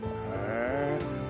へえ。